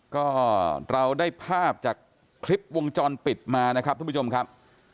ก็เราได้ภาพจากคลิปวงจรปิดมานะครับทุกผู้ชมครับ